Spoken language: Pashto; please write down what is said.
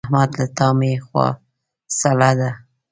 احمد له تا مې خوا سړه ده.